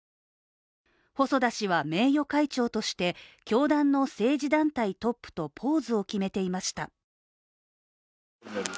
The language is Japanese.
細田氏は、名誉会長として、教団の政治団体トップとポーズを決めていました。